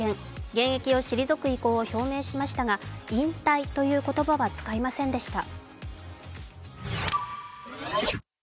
現役を退く意向を表明しましたが、引退という言葉は使いませんでした。